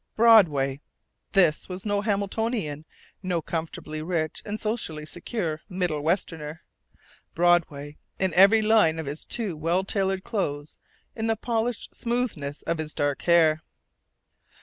Broadway! This was no Hamiltonian, no comfortably rich and socially secure Middle westerner. Broadway in every line of his too well tailored clothes, in the polished smoothness of his dark hair....